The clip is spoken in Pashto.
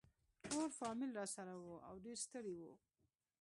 ټول فامیل راسره وو او ډېر ستړي وو.